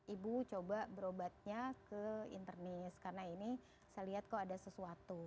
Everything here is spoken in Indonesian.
ibu coba berobatnya ke internis karena ini saya lihat kok ada sesuatu